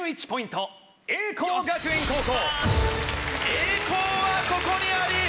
栄光はここにあり。